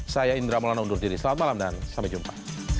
saya indra molana undur diri selamat malam dan sampai jumpa